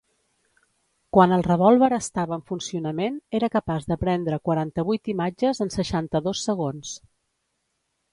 Quan el revòlver estava en funcionament era capaç de prendre quaranta-vuit imatges en seixanta-dos segons.